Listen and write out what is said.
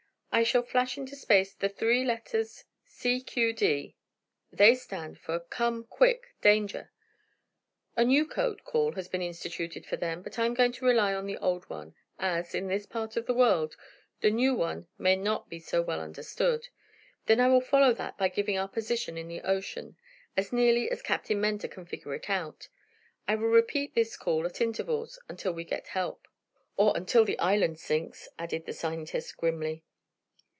"I shall flash into space the three letters 'C.Q.D.' They stand for 'Come Quick Danger.' A new code call has been instituted for them, but I am going to rely on the old one, as, in this part of the world, the new one may not be so well understood. Then I will follow that by giving our position in the ocean, as nearly as Captain Mentor can figure it out. I will repeat this call at intervals until we get help " "Or until the island sinks," added the scientist, grimly.